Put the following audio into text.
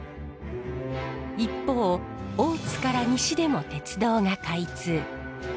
一方大津から西でも鉄道が開通。